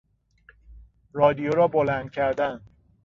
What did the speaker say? رادیو را بلند کردن